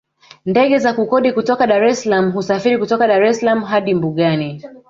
Ndege za kukodi kutoka Dar es salaam husafiri kutoka Dar es Salaam hadi mbugani